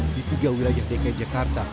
di tiga wilayah dki jakarta